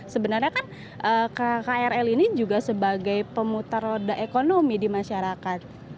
sebenarnya kan krl ini juga sebagai pemutar roda ekonomi di masyarakat